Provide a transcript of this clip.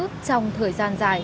trong thời gian dài